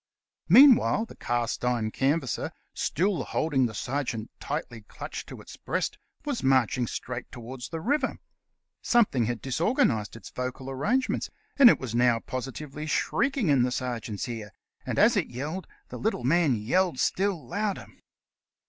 Meanwhile, the Cast iron Canvasser, still holding the sergeant tightly clutched to its breast, was marching straight towards the river. Something had disorganised its vocal arrangements, and it was now positively shrieking in the ser geant's ear, and, as it yelled, the little man yelled still louder.